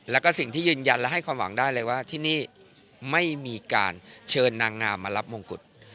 แล้วก็สิ่งที่ยืนยันและให้ความหวังได้เลยว่าที่นี่ไม่มีการเชิญนางงามมารับมงกุฎ